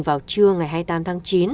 vào trưa ngày hai mươi tám tháng chín